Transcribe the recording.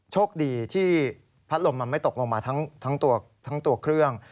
โชคดีที่พัดลมมันไม่ตกลงมาทั้งตัวเครื่อง